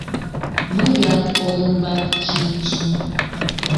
Мыят олымбак шинчым.